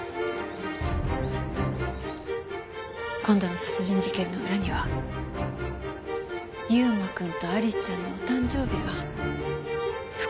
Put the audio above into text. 今度の殺人事件の裏には優馬くんとアリスちゃんのお誕生日が深く関係している。